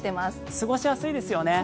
過ごしやすいですよね。